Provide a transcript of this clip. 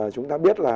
chúng ta biết là